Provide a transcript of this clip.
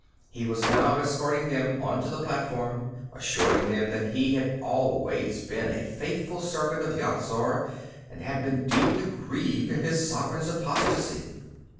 He was now escorting them onto the platform, assuring them that he had always been a faithful servant of Yat Zar and had been deeply grieved at his sovereign's apostasy.